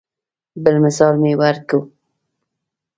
بل مثال مې ورکو.